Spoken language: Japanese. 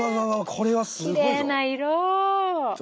これはすごいぞ！